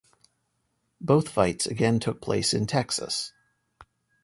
Both fights again took place in Texas.